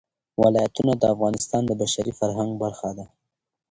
ولایتونه د افغانستان د بشري فرهنګ برخه ده.